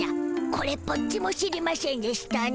これっぽっちも知りましぇんでしたな。